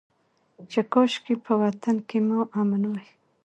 چې کاشکي په وطن کې مو امن وى.